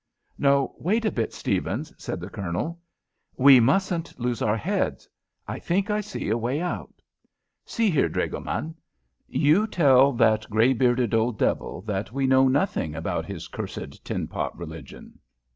"No, wait a bit, Stephens!" said the Colonel. "We mustn't lose our heads. I think I see a way out. See here, dragoman! You tell that grey bearded old devil that we know nothing about his cursed tinpot religion.